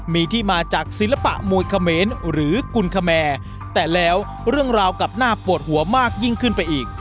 มีที่มาจากศิลปะมวยเขมรหรือกุลคแมแต่แล้วเรื่องราวกลับน่าปวดหัวมากยิ่งขึ้นไปอีก